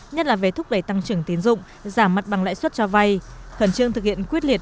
nhất là về thúc đẩy tăng trưởng tiến dụng giảm mặt bằng lãi suất cho vay khẩn trương thực hiện quyết liệt